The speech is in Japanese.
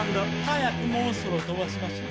早くモンストロを飛ばしましょ。